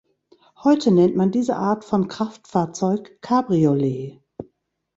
Heute nennt man diese Art von Kraftfahrzeug Cabriolet.